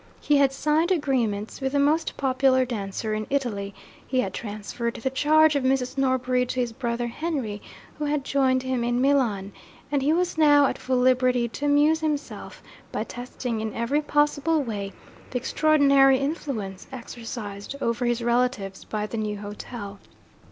He had signed agreements with the most popular dancer in Italy; he had transferred the charge of Mrs. Norbury to his brother Henry, who had joined him in Milan; and he was now at full liberty to amuse himself by testing in every possible way the extraordinary influence exercised over his relatives by the new hotel.